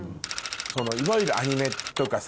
いわゆるアニメとかさ